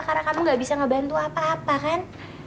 karena kamu gak bisa ngebantu apa apa kan